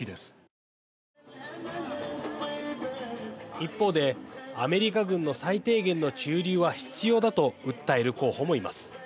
一方で、アメリカ軍の最低限の駐留は必要だと訴える候補もいます。